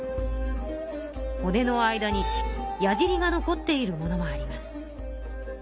骨の間に矢じりが残っているものもあります。